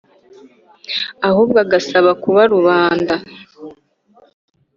ahubwo agasaba kuba rubanda